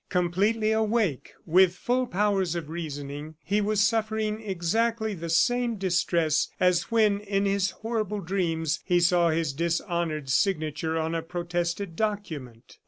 Completely awake, with full powers of reasoning, he was suffering exactly the same distress as when in his horrible dreams he saw his dishonored signature on a protested document.